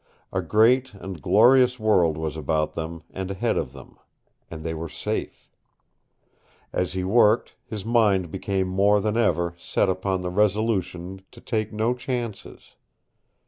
A great and glorious world was about them and ahead of them. And they were safe. As he worked, his mind became more than ever set upon the resolution to take no chances.